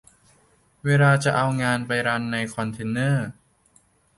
เวลาจะเอางานไปรันในคอนเทนเนอร์